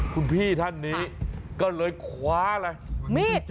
คุณพี่ท่านนี้ก็เลยคว้าอะไรมีด